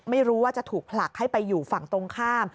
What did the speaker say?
ไม่รู้ว่าจะถูกผลักให้ไปอยู่ฝั่งตรงข้าม